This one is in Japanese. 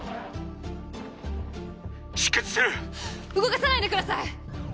出血してる動かさないでください！